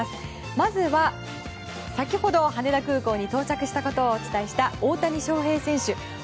まずは、先ほど羽田空港に到着したことをお伝えした大谷翔平選手。